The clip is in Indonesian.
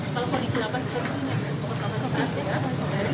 tapi itulah penanganan yang kami hadapi